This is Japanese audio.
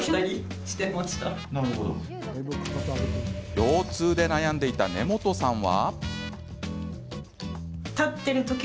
腰痛で悩んでいた根本さんは？